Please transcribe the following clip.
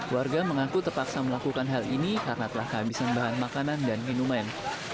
warga mengaku terpaksa melakukan hal ini karena telah kehabisan bahan makanan dan minuman